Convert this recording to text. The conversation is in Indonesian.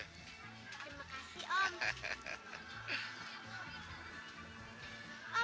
terima kasih om